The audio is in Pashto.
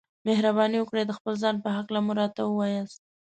مهرباني وکړئ د خپل ځان په هکله مو راته ووياست.